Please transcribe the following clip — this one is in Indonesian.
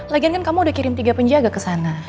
lagian kan kamu udah kirim tiga penjaga ke sana